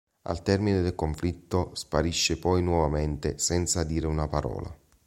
Al termine del conflitto sparisce poi nuovamente senza dire una parola.